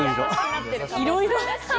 いろいろ。